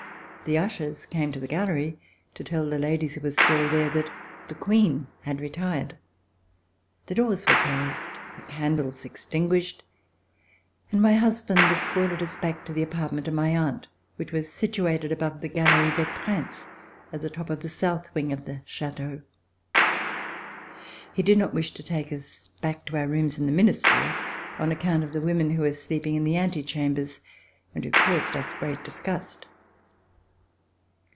The ushers came to the Gallery to tell the ladies who were still there that the Queen had retired. The doors were closed, the candles extinguished, and my husband escorted us back to the apartment of my aunt, which was situated above the Galerie des Princes, at the top of the south wing of the Chateau. He did not wish to take us back to our rooms in the Ministry on account of the women who were sleeping in the antechambers and who caused us great disgust.